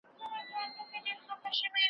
فرهنګي غنا د ټولني د پرمختګ نښه ده.